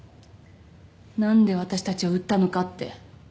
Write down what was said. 何で私たちを売ったのかって。